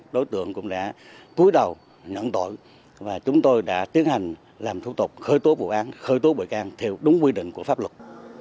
đối tượng cũng đã cuối đầu nhận tội và chúng tôi đã tiến hành làm thủ tục khởi tố vụ án khởi tố bị can theo đúng quy định của pháp luật